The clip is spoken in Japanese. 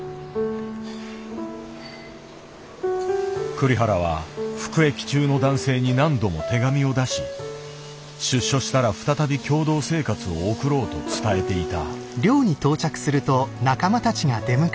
栗原は服役中の男性に何度も手紙を出し出所したら再び共同生活を送ろうと伝えていた。